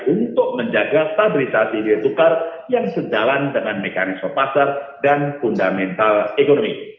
untuk menjaga stabilitas nilai tukar yang sejalan dengan mekanisme pasar dan fundamental ekonomi